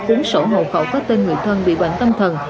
cuốn sổ hậu khẩu có tên người thân bị bệnh tâm thần